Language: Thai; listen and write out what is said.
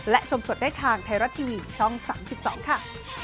และชมสดได้ทางไทยรัฐทีวีช่อง๓๒ค่ะ